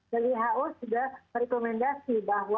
jadi who sudah rekomendasi bahwa